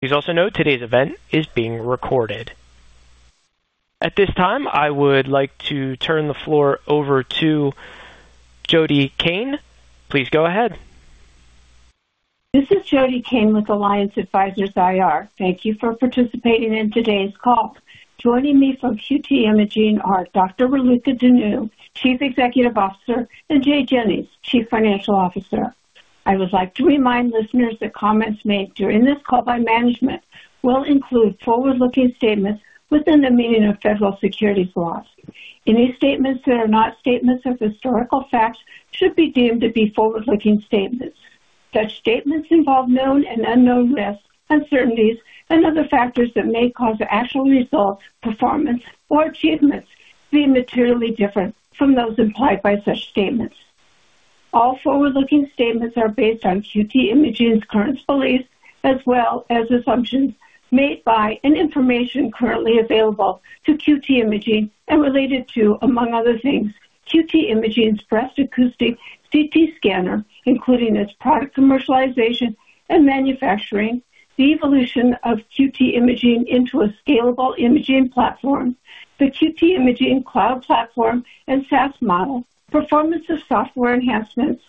Please also note today's event is being recorded. At this time, I would like to turn the floor over to Jody Cain. Please go ahead. This is Jody Cain with Alliance Advisors IR. Thank you for participating in today's call. Joining me from QT Imaging are Dr. Raluca Dinu, Chief Executive Officer, and Jay Jennings, Chief Financial Officer. I would like to remind listeners that comments made during this call by management will include forward-looking statements within the meaning of federal securities laws. Any statements that are not statements of historical fact should be deemed to be forward-looking statements. Such statements involve known and unknown risks, uncertainties, and other factors that may cause actual results, performance or achievements to be materially different from those implied by such statements. All forward-looking statements are based on QT Imaging's current beliefs as well as assumptions made by and information currently available to QT Imaging and related to, among other things, QT Imaging's Breast Acoustic CT scanner, including its product commercialization and manufacturing, the evolution of QT Imaging into a scalable imaging platform, the QTI Cloud Platform and SaaS model, performance of software enhancements,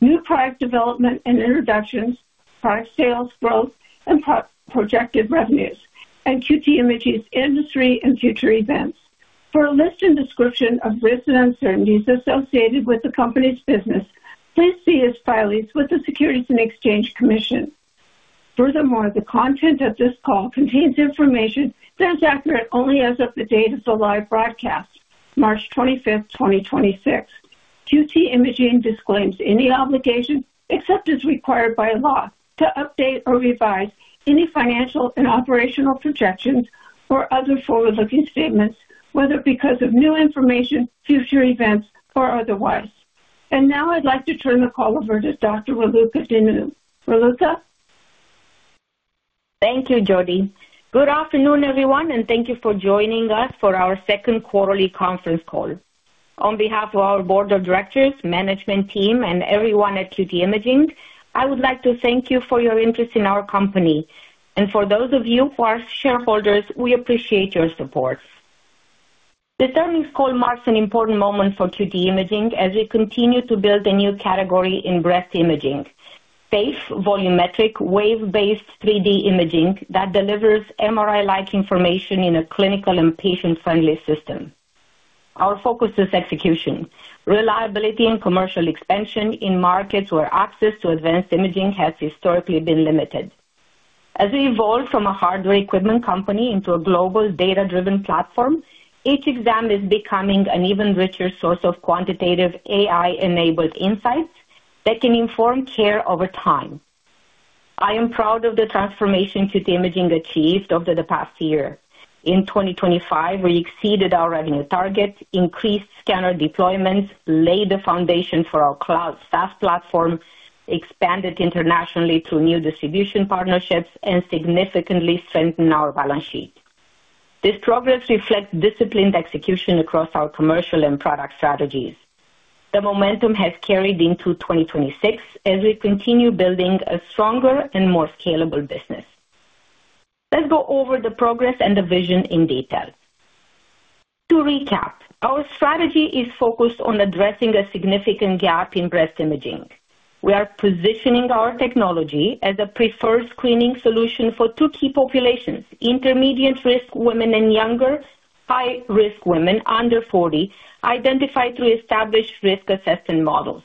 new product development and introductions, product sales growth and projected revenues, and QT Imaging's industry and future events. For a list and description of risks and uncertainties associated with the company's business, please see its filings with the Securities and Exchange Commission. Furthermore, the content of this call contains information that is accurate only as of the date of the live broadcast, March 25th, 2026. QT Imaging disclaims any obligation, except as required by law, to update or revise any financial and operational projections or other forward-looking statements, whether because of new information, future events or otherwise. Now I'd like to turn the call over to Dr. Raluca Dinu. Raluca? Thank you, Jody. Good afternoon, everyone, and thank you for joining us for our second quarterly conference call. On behalf of our board of directors, management team, and everyone at QT Imaging, I would like to thank you for your interest in our company. For those of you who are shareholders, we appreciate your support. This earnings call marks an important moment for QT Imaging as we continue to build a new category in breast imaging, safe volumetric wave-based 3D imaging that delivers MRI-like information in a clinical and patient-friendly system. Our focus is execution, reliability and commercial expansion in markets where access to advanced imaging has historically been limited. As we evolve from a hardware equipment company into a global data-driven platform, each exam is becoming an even richer source of quantitative AI-enabled insights that can inform care over time. I am proud of the transformation QT Imaging achieved over the past year. In 2025, we exceeded our revenue targets, increased scanner deployments, laid the foundation for our cloud SaaS platform, expanded internationally through new distribution partnerships, and significantly strengthened our balance sheet. This progress reflects disciplined execution across our commercial and product strategies. The momentum has carried into 2026 as we continue building a stronger and more scalable business. Let's go over the progress and the vision in detail. To recap, our strategy is focused on addressing a significant gap in breast imaging. We are positioning our technology as a preferred screening solution for two key populations, intermediate risk women and younger high risk women under 40, identified through established risk assessment models.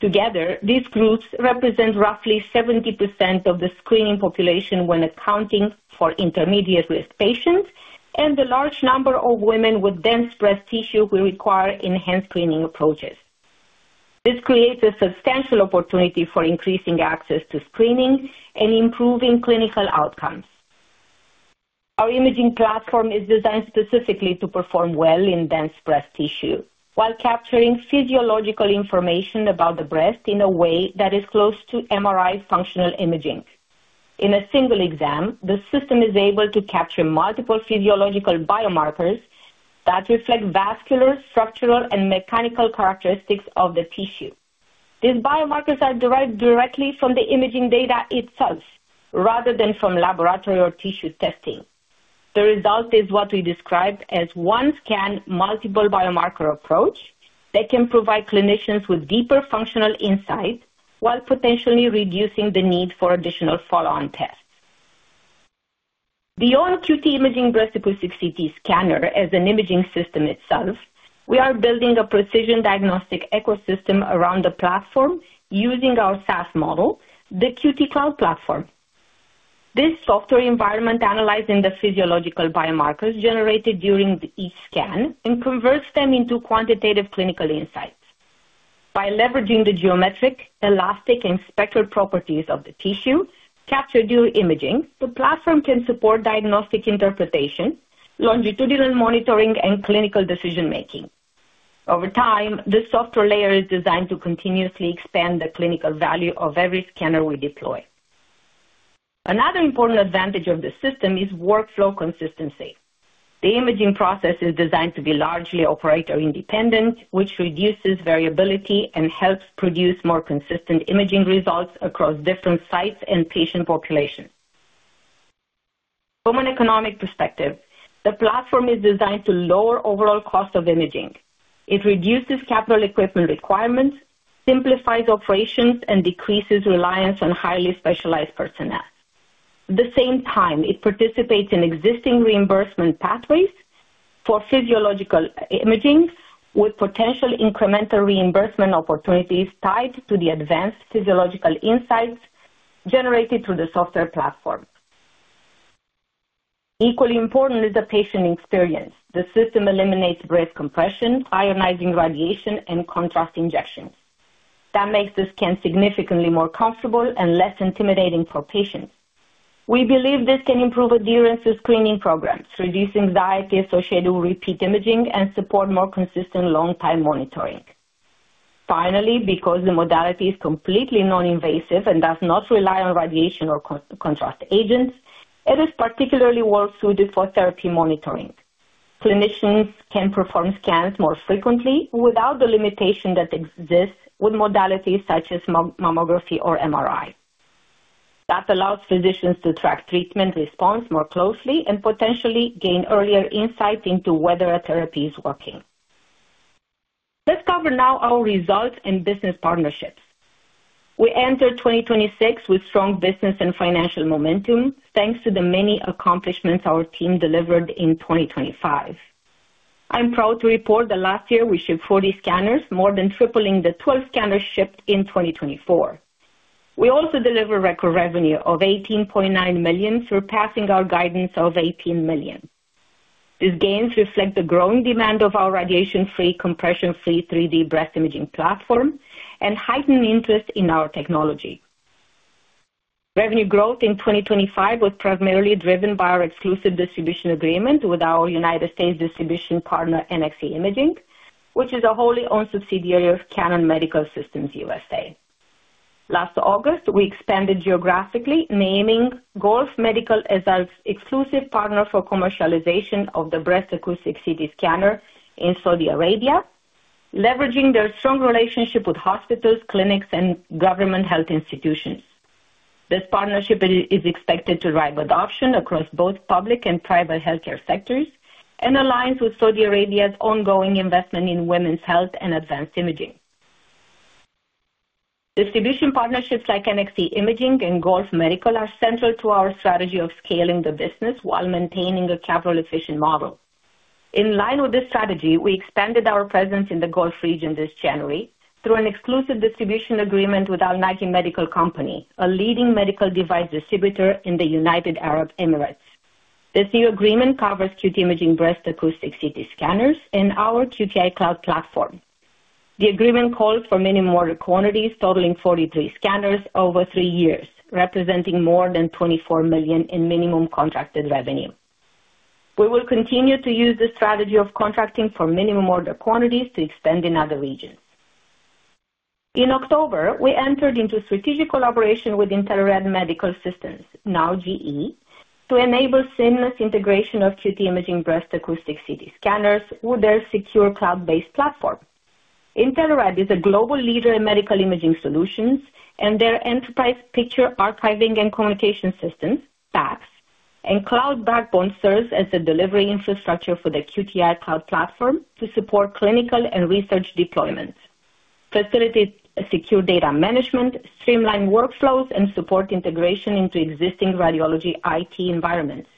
Together, these groups represent roughly 70% of the screening population when accounting for intermediate risk patients, and the large number of women with dense breast tissue will require enhanced screening approaches. This creates a substantial opportunity for increasing access to screening and improving clinical outcomes. Our imaging platform is designed specifically to perform well in dense breast tissue while capturing physiological information about the breast in a way that is close to MRI functional imaging. In a single exam, the system is able to capture multiple physiological biomarkers that reflect vascular, structural, and mechanical characteristics of the tissue. These biomarkers are derived directly from the imaging data itself rather than from laboratory or tissue testing. The result is what we describe as one scan, multiple biomarker approach that can provide clinicians with deeper functional insights while potentially reducing the need for additional follow-on tests. Beyond QT Imaging Breast Acoustic CT scanner as an imaging system itself, we are building a precision diagnostic ecosystem around the platform using our SaaS model, the QTI Cloud Platform. This software environment, analyzing the physiological biomarkers generated during each scan and converts them into quantitative clinical insights. By leveraging the geometric, elastic, and spectral properties of the tissue captured during imaging, the platform can support diagnostic interpretation, longitudinal monitoring, and clinical decision-making. Over time, this software layer is designed to continuously expand the clinical value of every scanner we deploy. Another important advantage of this system is workflow consistency. The imaging process is designed to be largely operator independent, which reduces variability and helps produce more consistent imaging results across different sites and patient populations. From an economic perspective, the platform is designed to lower overall cost of imaging. It reduces capital equipment requirements, simplifies operations, and decreases reliance on highly specialized personnel. At the same time it participates in existing reimbursement pathways for physiological imaging with potential incremental reimbursement opportunities tied to the advanced physiological insights generated through the software platform. Equally important is the patient experience. The system eliminates breast compression, ionizing radiation, and contrast injections. That makes the scan significantly more comfortable and less intimidating for patients. We believe this can improve adherence to screening programs, reduce anxiety associated with repeat imaging, and support more consistent long-term monitoring. Finally, because the modality is completely non-invasive and does not rely on radiation or contrast agents, it is particularly well suited for therapy monitoring. Clinicians can perform scans more frequently without the limitation that exists with modalities such as mammography or MRI. That allows physicians to track treatment response more closely and potentially gain earlier insight into whether a therapy is working. Let's cover now our results and business partnerships. We entered 2026 with strong business and financial momentum, thanks to the many accomplishments our team delivered in 2025. I'm proud to report that last year we shipped 40 scanners, more than tripling the 12 scanners shipped in 2024. We also delivered record revenue of $18.9 million, surpassing our guidance of $18 million. These gains reflect the growing demand of our radiation-free, compression-free 3D breast imaging platform and heightened interest in our technology. Revenue growth in 2025 was primarily driven by our exclusive distribution agreement with our United States distribution partner, NXC Imaging, which is a wholly owned subsidiary of Canon Medical Systems USA. Last August, we expanded geographically, naming Gulf Medical as our exclusive partner for commercialization of the Breast Acoustic CT scanner in Saudi Arabia, leveraging their strong relationship with hospitals, clinics, and government health institutions. This partnership is expected to drive adoption across both public and private healthcare sectors and aligns with Saudi Arabia's ongoing investment in women's health and advanced imaging. Distribution partnerships like NXC Imaging and Gulf Medical are central to our strategy of scaling the business while maintaining a capital efficient model. In line with this strategy, we expanded our presence in the Gulf region this January through an exclusive distribution agreement with Al Naghi Medical Co, a leading medical device distributor in the United Arab Emirates. This new agreement covers QT Imaging Breast Acoustic CT scanners and our QTI Cloud Platform. The agreement calls for minimum order quantities totaling 43 scanners over three years, representing more than $24 million in minimum contracted revenue. We will continue to use the strategy of contracting for minimum order quantities to expand in other regions. In October, we entered into a strategic collaboration with Intelerad Medical Systems, now GE, to enable seamless integration of QT Imaging Breast Acoustic CT scanners with their secure cloud-based platform. Intelerad is a global leader in medical imaging solutions and their enterprise picture archiving and communication systems, PACS, and cloud backbone serves as the delivery infrastructure for the QTI Cloud Platform to support clinical and research deployments, facilitate secure data management, streamline workflows, and support integration into existing radiology IT environments.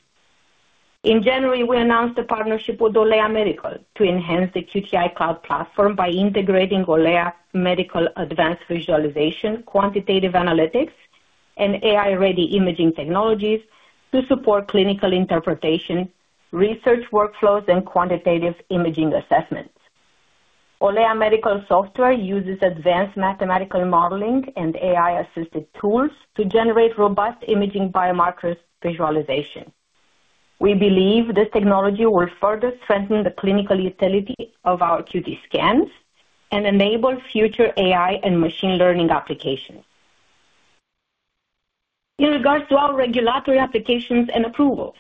In January, we announced a partnership with Olea Medical to enhance the QTI Cloud Platform by integrating Olea Medical advanced visualization, quantitative analytics, and AI-ready imaging technologies to support clinical interpretation, research workflows, and quantitative imaging assessments. Olea Medical software uses advanced mathematical modeling and AI-assisted tools to generate robust imaging biomarkers visualization. We believe this technology will further strengthen the clinical utility of our QT scans and enable future AI and machine learning applications. In regards to our regulatory applications and approvals,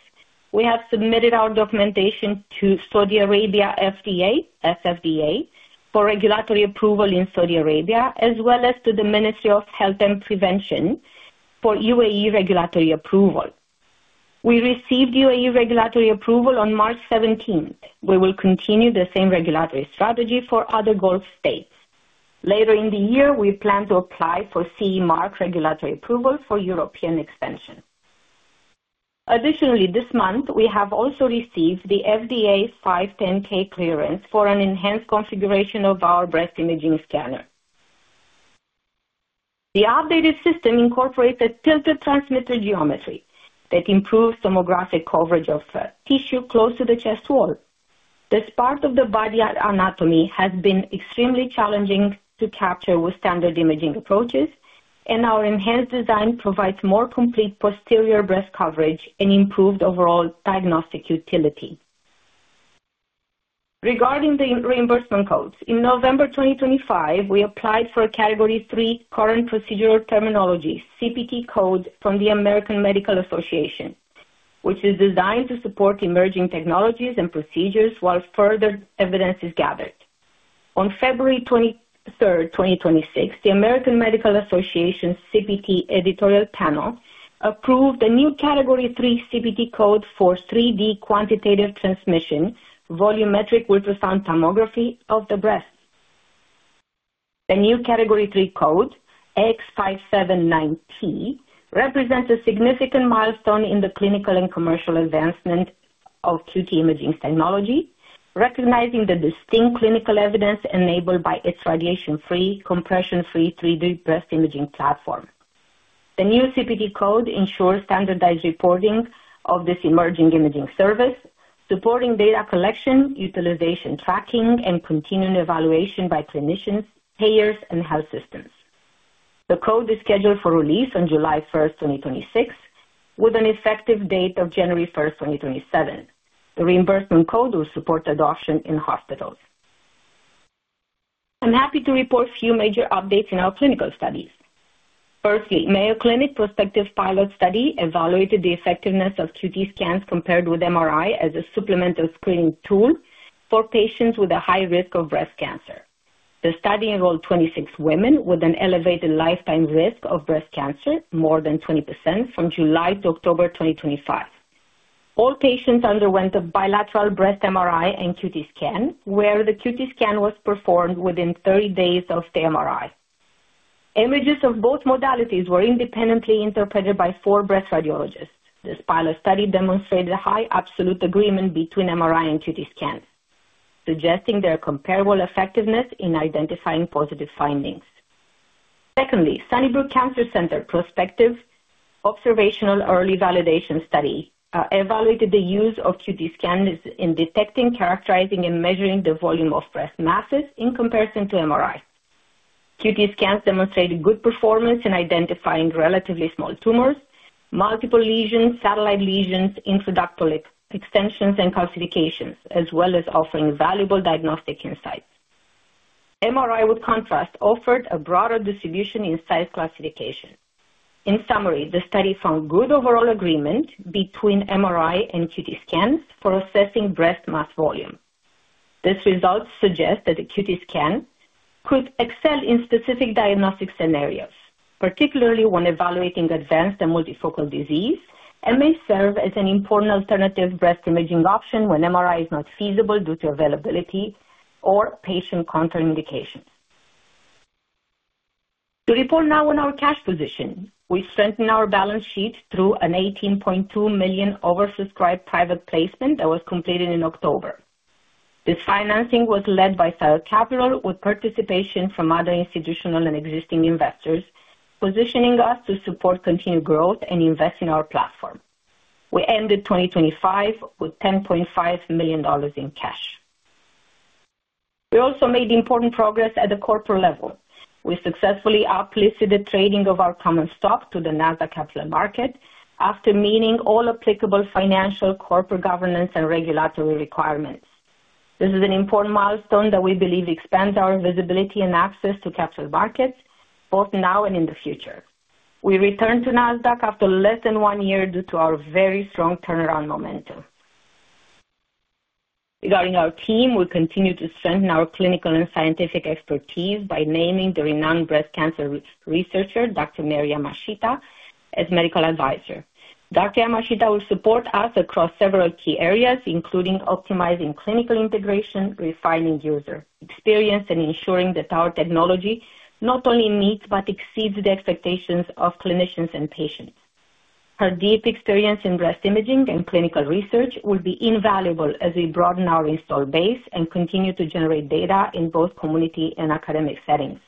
we have submitted our documentation to Saudi Arabia FDA, SFDA, for regulatory approval in Saudi Arabia, as well as to the Ministry of Health and Prevention for UAE regulatory approval. We received UAE regulatory approval on March 17. We will continue the same regulatory strategy for other Gulf states. Later in the year, we plan to apply for CE Mark regulatory approval for European expansion. Additionally, this month we have also received the FDA 510(k) clearance for an enhanced configuration of our breast imaging scanner. The updated system incorporates a tilted transmitter geometry that improves tomographic coverage of tissue close to the chest wall. This part of the body anatomy has been extremely challenging to capture with standard imaging approaches, and our enhanced design provides more complete posterior breast coverage and improved overall diagnostic utility. Regarding the reimbursement codes, in November 2025, we applied for a Category III current procedural terminology, CPT code from the American Medical Association, which is designed to support emerging technologies and procedures while further evidence is gathered. On February 23rd, 2026, the American Medical Association CPT editorial panel approved a new Category III CPT code for 3D quantitative transmission volumetric ultrasound tomography of the breast. The new Category III code X579T represents a significant milestone in the clinical and commercial advancement of QT imaging technology, recognizing the distinct clinical evidence enabled by its radiation-free, compression-free 3D breast imaging platform. The new CPT code ensures standardized reporting of this emerging imaging service, supporting data collection, utilization tracking, and continuing evaluation by clinicians, payers, and health systems. The code is scheduled for release on July 1st, 2026, with an effective date of January 1st, 2027. The reimbursement code will support adoption in hospitals. I'm happy to report a few major updates in our clinical studies. Firstly, Mayo Clinic prospective pilot study evaluated the effectiveness of QT scans compared with MRI as a supplemental screening tool for patients with a high risk of breast cancer. The study enrolled 26 women with an elevated lifetime risk of breast cancer, more than 20% from July to October 2025. All patients underwent a bilateral breast MRI and QT scan, where the QT scan was performed within 30 days of the MRI. Images of both modalities were independently interpreted by four breast radiologists. This pilot study demonstrated a high absolute agreement between MRI and QT scans, suggesting their comparable effectiveness in identifying positive findings. Secondly, Sunnybrook Cancer Centre prospective observational early validation study evaluated the use of QT scans in detecting, characterizing, and measuring the volume of breast masses in comparison to MRI. QT scans demonstrated good performance in identifying relatively small tumors, multiple lesions, satellite lesions, intraductal extensions, and calcifications, as well as offering valuable diagnostic insights. MRI with contrast offered a broader distribution in size classification. In summary, the study found good overall agreement between MRI and QT scans for assessing breast mass volume. These results suggest that a QT scan could excel in specific diagnostic scenarios, particularly when evaluating advanced and multifocal disease, and may serve as an important alternative breast imaging option when MRI is not feasible due to availability or patient contraindication. To report now on our cash position. We strengthened our balance sheet through an $18.2 million oversubscribed private placement that was completed in October. This financing was led by Sio Capital, with participation from other institutional and existing investors, positioning us to support continued growth and invest in our platform. We ended 2025 with $10.5 million in cash. We also made important progress at the corporate level. We successfully uplisted the trading of our common stock to the Nasdaq Capital Market after meeting all applicable financial, corporate governance, and regulatory requirements. This is an important milestone that we believe expands our visibility and access to capital markets both now and in the future. We return to Nasdaq after less than one year due to our very strong turnaround momentum. Regarding our team, we continue to strengthen our clinical and scientific expertise by naming the renowned breast cancer researcher, Dr. Mary Yamashita, as Medical Advisor. Dr. Yamashita will support us across several key areas, including optimizing clinical integration, refining user experience, and ensuring that our technology not only meets, but exceeds the expectations of clinicians and patients. Her deep experience in breast imaging and clinical research will be invaluable as we broaden our install base and continue to generate data in both community and academic settings.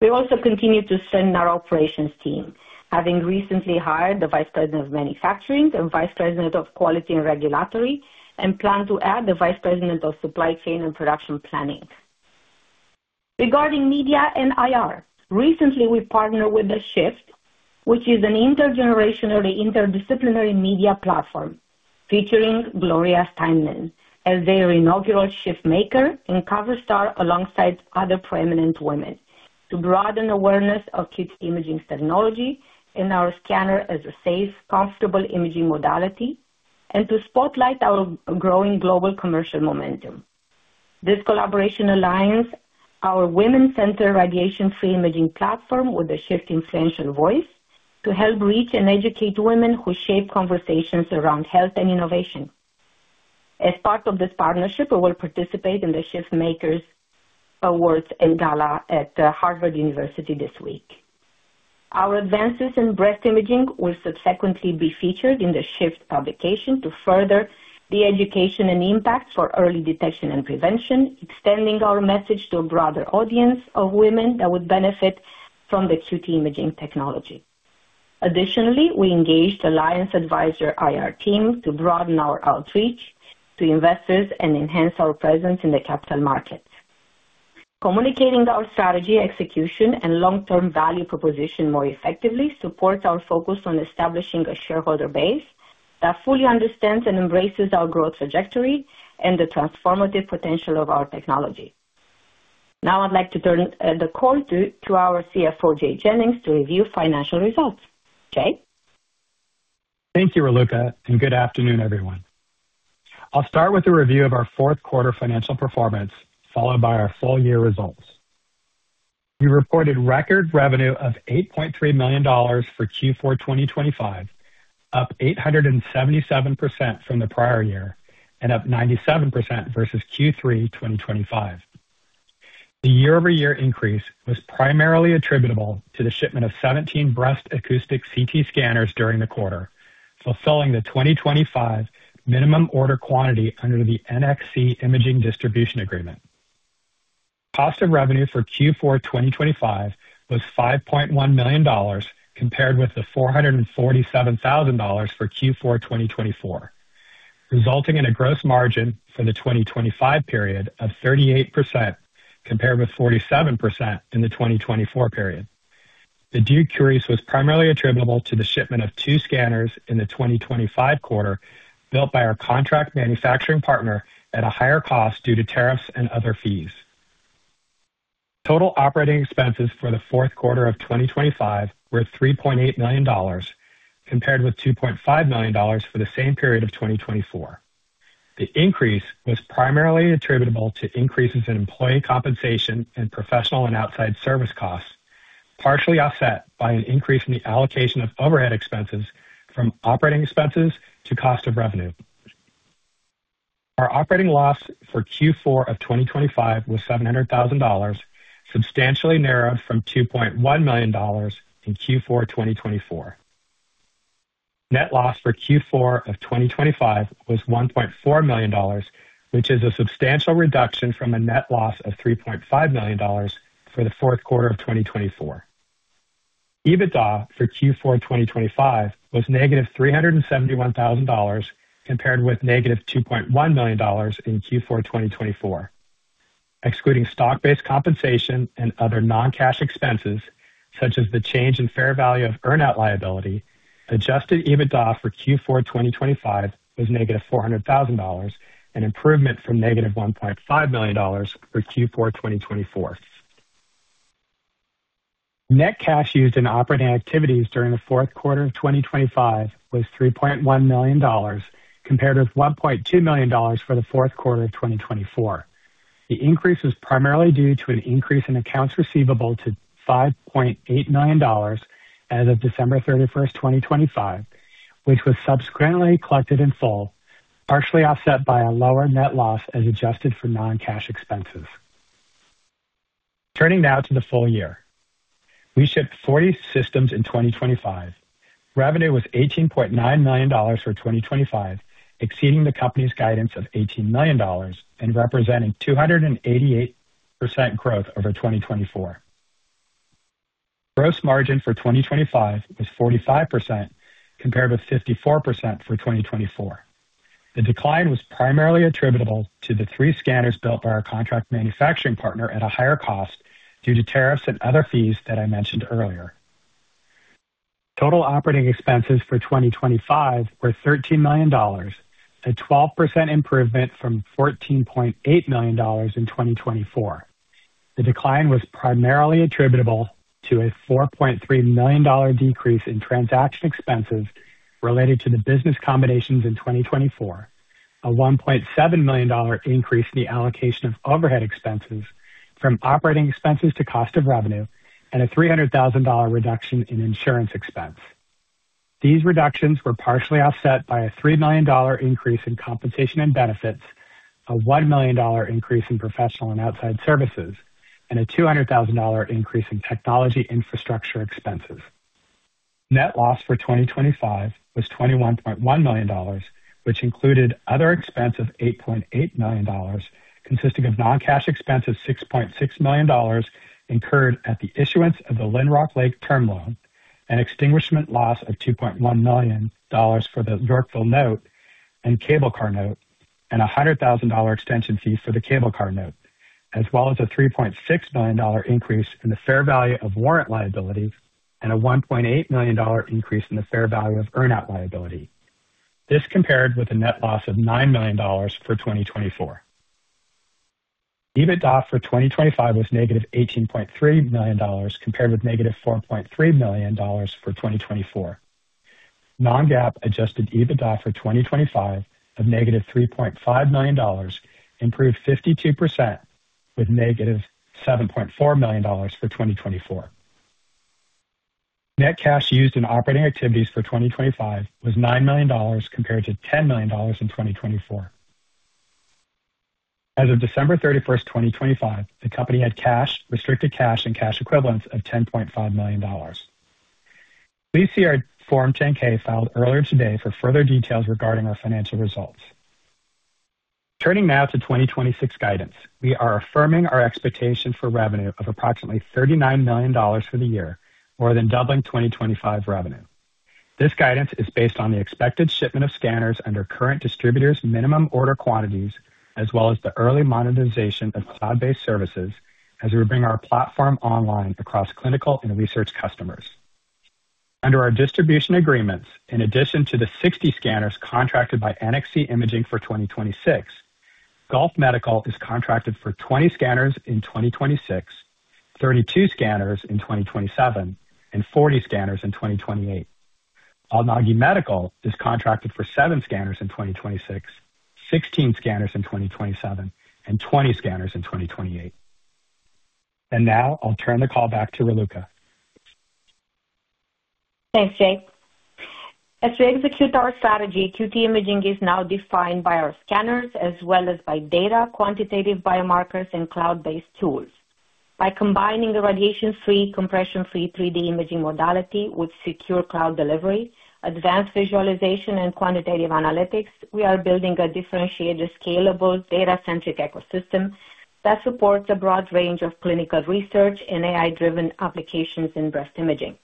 We also continue to strengthen our operations team, having recently hired the vice president of manufacturing, the vice president of quality and regulatory, and plan to add the vice president of supply chain and production planning. Regarding media and IR. Recently, we partnered with The Shift, which is an intergenerational, interdisciplinary media platform featuring Gloria Steinem as their Inaugural Changemaker and cover star alongside other prominent women to broaden awareness of QT Imaging technology and our scanner as a safe, comfortable imaging modality, and to spotlight our growing global commercial momentum. This collaboration aligns our women-centered radiation-free imaging platform with The Shift's influential voice to help reach and educate women who shape conversations around health and innovation. As part of this partnership, we will participate in The Shift Makers Awards and Gala at Harvard University this week. Our advances in breast imaging will subsequently be featured in The Shift publication to further the education and impact for early detection and prevention, extending our message to a broader audience of women that would benefit from the QT Imaging technology. Additionally, we engaged Alliance Advisors IR team to broaden our outreach to investors and enhance our presence in the capital markets. Communicating our strategy, execution, and long-term value proposition more effectively supports our focus on establishing a shareholder base that fully understands and embraces our growth trajectory and the transformative potential of our technology. Now I'd like to turn the call to our CFO, Jay Jennings, to review financial results. Jay? Thank you, Raluca, and good afternoon, everyone. I'll start with a review of our fourth quarter financial performance, followed by our full year results. We reported record revenue of $8.3 million for Q4 2025, up 877% from the prior year and up 97% versus Q3 2025. The year-over-year increase was primarily attributable to the shipment of 17 Breast Acoustic CT scanners during the quarter, fulfilling the 2025 minimum order quantity under the NXC Imaging distribution agreement. Cost of revenue for Q4 2025 was $5.1 million compared with $447,000 for Q4 2024, resulting in a gross margin for the 2025 period of 38% compared with 47% in the 2024 period. The decrease was primarily attributable to the shipment of two scanners in the 2025 quarter, built by our contract manufacturing partner at a higher cost due to tariffs and other fees. Total operating expenses for the fourth quarter of 2025 were $3.8 million compared with $2.5 million for the same period of 2024. The increase was primarily attributable to increases in employee compensation and professional and outside service costs, partially offset by an increase in the allocation of overhead expenses from operating expenses to cost of revenue. Our operating loss for Q4 of 2025 was $700,000, substantially narrowed from $2.1 million in Q4 2024. Net loss for Q4 of 2025 was $1.4 million, which is a substantial reduction from a net loss of $3.5 million for the fourth quarter of 2024. EBITDA for Q4 2025 was -$371,000 compared with -$2.1 million in Q4 2024. Excluding stock-based compensation and other non-cash expenses, such as the change in fair value of earn out liability, adjusted EBITDA for Q4 2025 was -$400,000, an improvement from -$1.5 million for Q4 2024. Net cash used in operating activities during the fourth quarter of 2025 was $3.1 million compared with $1.2 million for the fourth quarter of 2024. The increase was primarily due to an increase in accounts receivable to $5.8 million as of December 31st, 2025, which was subsequently collected in full, partially offset by a lower net loss as adjusted for non-cash expenses. Turning now to the full year. We shipped 40 systems in 2025. Revenue was $18.9 million for 2025, exceeding the company's guidance of $18 million and representing 288% growth over 2024. Gross margin for 2025 was 45% compared with 54% for 2024. The decline was primarily attributable to the three scanners built by our contract manufacturing partner at a higher cost due to tariffs and other fees that I mentioned earlier. Total operating expenses for 2025 were $13 million, a 12% improvement from $14.8 million in 2024. The decline was primarily attributable to a $4.3 million decrease in transaction expenses related to the business combinations in 2024, a $1.7 million increase in the allocation of overhead expenses from operating expenses to cost of revenue, and a $300,000 reduction in insurance expense. These reductions were partially offset by a $3 million increase in compensation and benefits, a $1 million increase in professional and outside services, and a $200,000 increase in technology infrastructure expenses. Net loss for 2025 was $21.1 million, which included other expense of $8.8 million, consisting of non-cash expense of $6.6 million incurred at the issuance of the Lynrock Lake term loan, an extinguishment loss of $2.1 million for the Yorkville note and Cable Car note, and a $100,000 extension fee for the Cable Car note, as well as a $3.6 million increase in the fair value of warrant liability and a $1.8 million increase in the fair value of earn out liability. This compared with a net loss of $9 million for 2024. EBITDA for 2025 was -$18.3 million compared with -$4.3 million for 2024. Non-GAAP adjusted EBITDA for 2025 of -$3.5 million, improved 52% with -$7.4 million for 2024. Net cash used in operating activities for 2025 was $9 million compared to $10 million in 2024. As of December 31st, 2025, the company had cash, restricted cash, and cash equivalents of $10.5 million. Please see our Form 10-K filed earlier today for further details regarding our financial results. Turning now to 2026 guidance. We are affirming our expectation for revenue of approximately $39 million for the year, more than doubling 2025 revenue. This guidance is based on the expected shipment of scanners under current distributors minimum order quantities, as well as the early monetization of cloud-based services as we bring our platform online across clinical and research customers. Under our distribution agreements, in addition to the 60 scanners contracted by NXC Imaging for 2026, Gulf Medical is contracted for 20 scanners in 2026, 32 scanners in 2027, and 40 scanners in 2028. Al Naghi Medical is contracted for seven scanners in 2026, 16 scanners in 2027, and 20 scanners in 2028. Now I'll turn the call back to Raluca. Thanks, Jay. As we execute our strategy, QT Imaging is now defined by our scanners as well as by data, quantitative biomarkers, and cloud-based tools. By combining the radiation-free, compression-free 3D imaging modality with secure cloud delivery, advanced visualization and quantitative analytics, we are building a differentiated, scalable, data-centric ecosystem that supports a broad range of clinical research and AI-driven applications in breast imaging.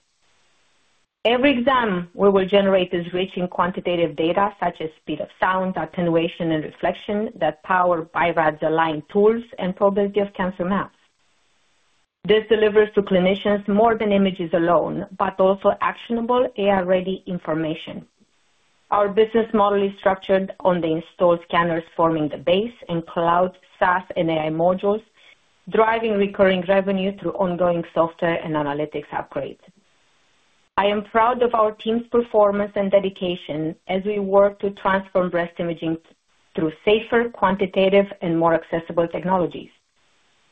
Every exam we will generate will reach quantitative data such as speed of sound, attenuation, and reflection that power BI-RADS aligned tools and probability of cancer maps. This delivers to clinicians more than images alone, but also actionable AI-ready information. Our business model is structured on the installed scanners, forming the base and cloud SaaS and AI modules, driving recurring revenue through ongoing software and analytics upgrades. I am proud of our team's performance and dedication as we work to transform breast imaging through safer, quantitative, and more accessible technologies.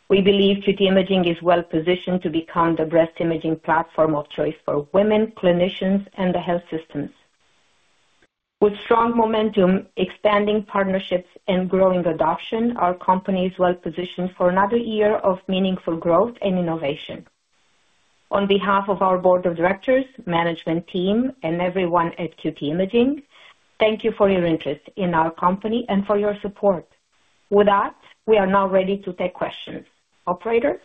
We believe QT Imaging is well-positioned to become the breast imaging platform of choice for women, clinicians, and the health systems. With strong momentum, expanding partnerships and growing adoption, our company is well-positioned for another year of meaningful growth and innovation. On behalf of our board of directors, management team, and everyone at QT Imaging, thank you for your interest in our company and for your support. With that, we are now ready to take questions. Operator?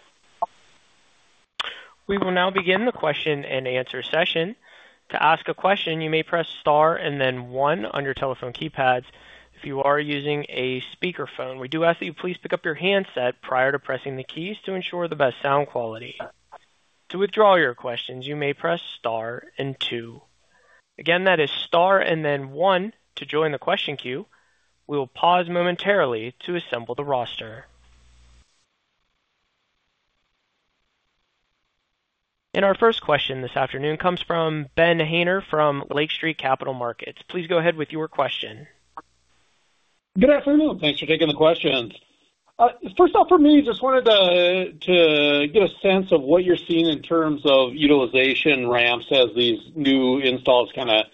We will now begin the question-and-answer session. To ask a question, you may press star and then one on your telephone keypads. If you are using a speakerphone, we do ask that you please pick up your handset prior to pressing the keys to ensure the best sound quality. To withdraw your questions, you may press star and two. Again, that is star and then one to join the question queue. We will pause momentarily to assemble the roster. Our first question this afternoon comes from Ben Haynor from Lake Street Capital Markets. Please go ahead with your question. Good afternoon. Thanks for taking the questions. First off for me, just wanted to get a sense of what you're seeing in terms of utilization ramps as these new installs kinda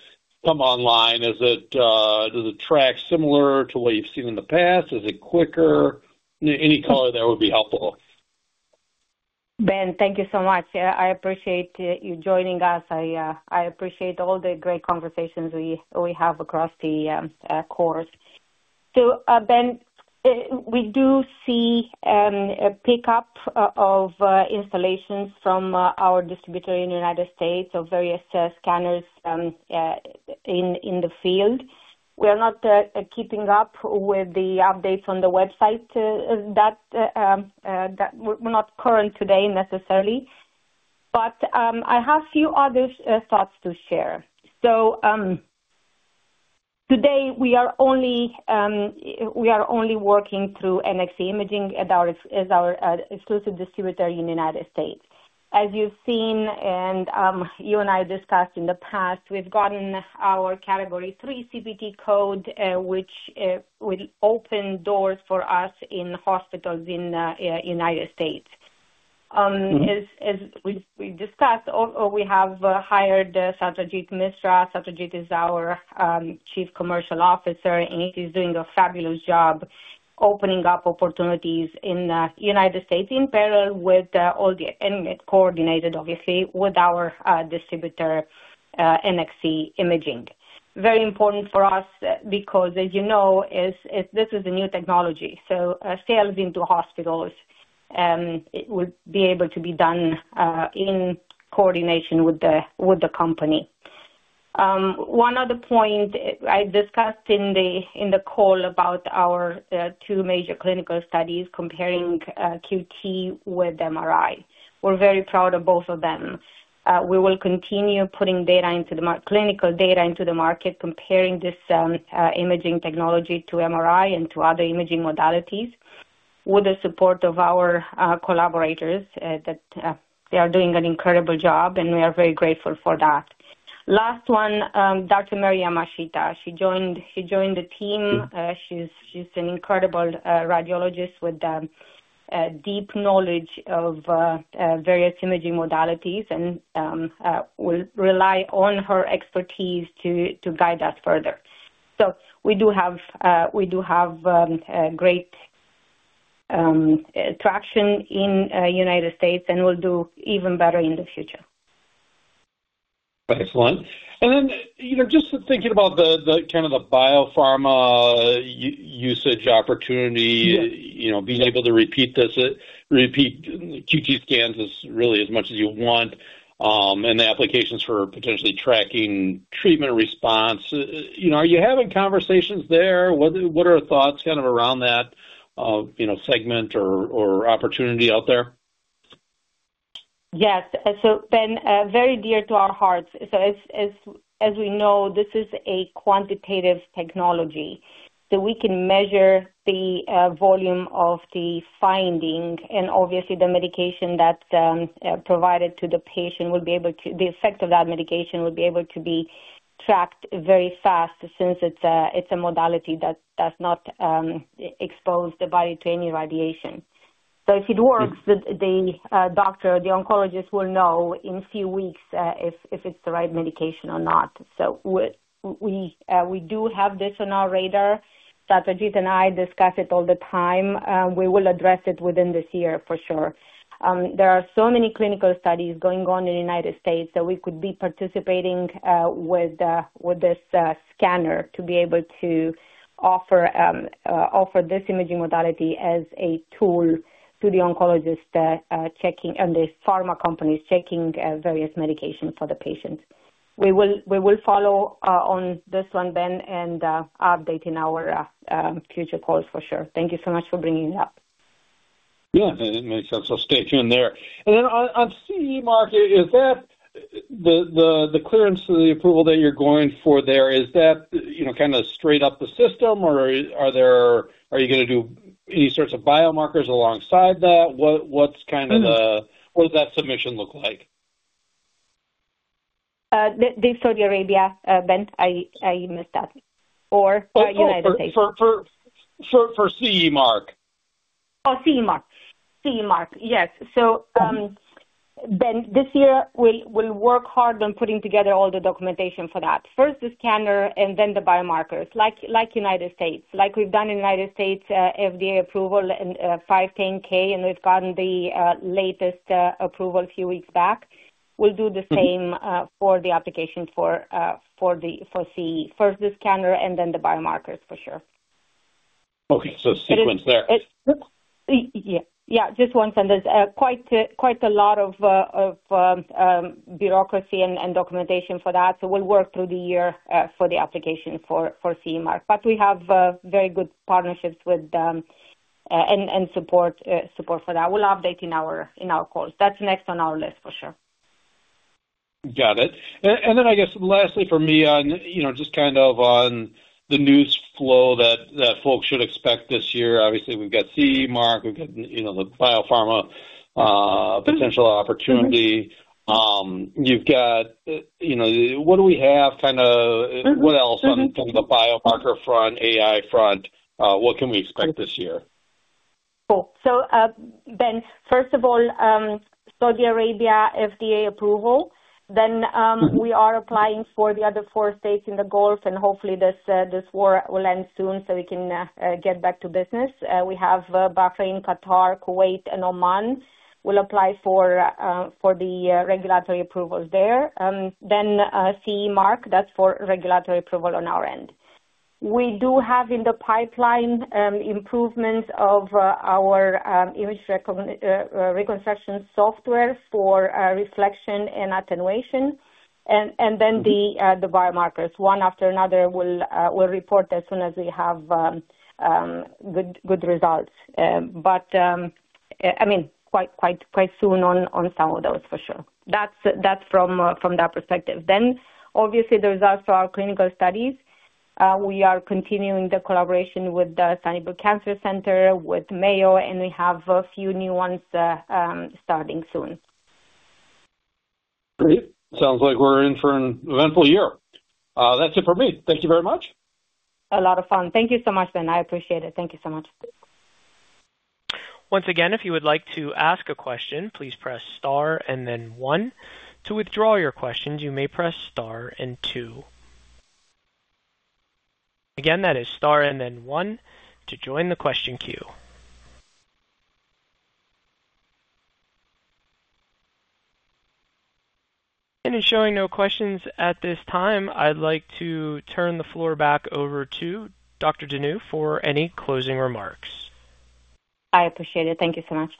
come online. Is it, does it track similar to what you've seen in the past? Is it quicker? Any color there would be helpful. Ben, thank you so much. I appreciate you joining us. I appreciate all the great conversations we have across the course. Ben, we do see a pickup of installations from our distributor in the United States of various scanners in the field. We are not keeping up with the updates on the website that we're not current today necessarily, but I have few other thoughts to share. Today we are only working through NXC Imaging as our exclusive distributor in the United States. As you've seen, and you and I discussed in the past, we've gotten our Category III CPT code, which will open doors for us in hospitals in United States. As we've discussed, we have hired Satrajit Misra. Satrajit is our Chief Commercial Officer, and he's doing a fabulous job opening up opportunities in the United States in parallel with and coordinated, obviously, with our distributor, NXC Imaging. Very important for us because as you know, this is a new technology. Sales into hospitals would be able to be done in coordination with the company. One other point I discussed in the call about our two major clinical studies comparing QT with MRI. We're very proud of both of them. We will continue putting clinical data into the market, comparing this imaging technology to MRI and to other imaging modalities with the support of our collaborators that they are doing an incredible job, and we are very grateful for that. Last one, Dr. Mary Yamashita, she joined the team. She's an incredible radiologist with deep knowledge of various imaging modalities and we'll rely on her expertise to guide us further. We do have great traction in the United States and will do even better in the future. Excellent. You know, just thinking about the kind of biopharma usage opportunity, you know, being able to repeat QT scans as frequently as you want, and the applications for potentially tracking treatment response. You know, are you having conversations there? What are thoughts kind of around that, you know, segment or opportunity out there? Yes. Ben, very dear to our hearts. As we know, this is a quantitative technology that we can measure the volume of the finding and obviously the medication that provided to the patient will be able to, the effect of that medication will be able to be tracked very fast since it's a modality that does not expose the body to any radiation. If it works, the doctor, the oncologist will know in few weeks if it's the right medication or not. We do have this on our radar. Satrajit and I discuss it all the time. We will address it within this year for sure. There are so many clinical studies going on in the United States that we could be participating with this scanner to be able to offer this imaging modality as a tool to the oncologist and the pharma companies checking various medications for the patients. We will follow up on this one, Ben, and update in our future calls for sure. Thank you so much for bringing it up. Yeah. That makes sense. Stay tuned there. On CE Mark, is that the clearance or the approval that you're going for there, is that, you know, kind of straight up the system, or are there, are you gonna do any sorts of biomarkers alongside that? What's kind of the- Mm-hmm. What does that submission look like? The Saudi Arabia, Ben. I missed that. Or United States? For CE Mark. Oh, CE Mark. Yes. Ben, this year we'll work hard on putting together all the documentation for that. First the scanner and then the biomarkers. Like United States. Like we've done in United States, FDA approval and 510(k), and we've gotten the latest approval a few weeks back. We'll do the same for the application for the CE. First the scanner and then the biomarkers for sure. Okay. Sequence there? Yeah, just one sentence. Quite a lot of bureaucracy and documentation for that. We'll work through the year for the application for CE Mark. We have very good partnerships with them and support for that. We'll update in our calls. That's next on our list for sure. Got it. I guess lastly for me on, you know, just kind of on the news flow that folks should expect this year? Obviously we've got CE Mark, we've got, you know, the biopharma potential opportunity. You've got, you know, what do we have kinda, what else on the biomarker front, AI front, what can we expect this year? Cool. Ben, first of all, SFDA approval. We are applying for the other four states in the Gulf, and hopefully this war will end soon, so we can get back to business. We have Bahrain, Qatar, Kuwait and Oman. We'll apply for the regulatory approvals there. CE Mark, that's for regulatory approval on our end. We do have in the pipeline improvements of our reconstruction software for reflection and attenuation. The biomarkers. One after another we'll report as soon as we have good results. I mean, quite soon on some of those for sure. That's from that perspective. Obviously the results for our clinical studies. We are continuing the collaboration with the Odette Cancer Centre, with Mayo, and we have a few new ones, starting soon. Great. Sounds like we're in for an eventful year. That's it for me. Thank you very much. A lot of fun. Thank you so much, Ben. I appreciate it. Thank you so much. Once again, if you would like to ask a question, please press star and then one. To withdraw your questions, you may press star and two. Again, that is star and then one to join the question queue. It's showing no questions at this time. I'd like to turn the floor back over to Dr. Dinu for any closing remarks. I appreciate it. Thank you so much.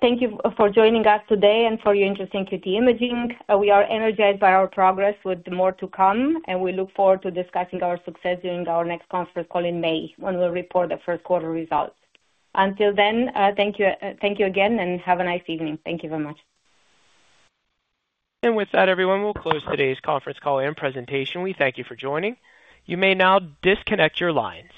Thank you for joining us today and for your interest in QT Imaging. We are energized by our progress with more to come, and we look forward to discussing our success during our next conference call in May when we'll report the first quarter results. Until then, thank you, thank you again, and have a nice evening. Thank you very much. With that, everyone, we'll close today's conference call and presentation. We thank you for joining. You may now disconnect your lines.